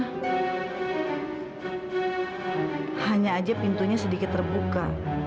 hanya saja pintunya sedikit terbuka